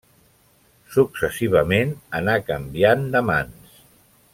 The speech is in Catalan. Successivament anà canviant de mans.